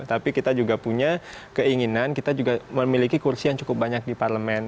tapi kita juga punya keinginan kita juga memiliki kursi yang cukup banyak di parlemen